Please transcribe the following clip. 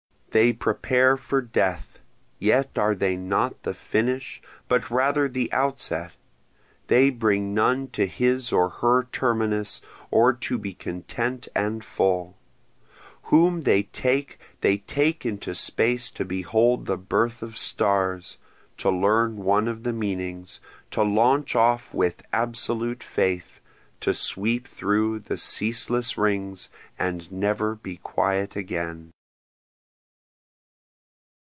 They prepare for death, yet are they not the finish, but rather the outset, They bring none to his or her terminus or to be content and full, Whom they take they take into space to behold the birth of stars, to learn one of the meanings, To launch off with absolute faith, to sweep through the ceaseless rings and never be quiet again.